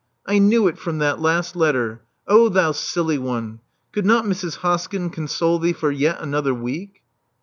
I knew it from that last letter! Oh thou silly one ! Could not Mrs. Hoskyn console thee for yet another week?"